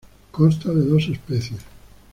Consta de dos especies.